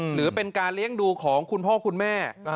หรือเป็นการเลี้ยงดูของคุณพ่อคุณแม่